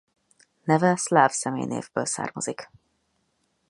Neve szláv személynévből származik.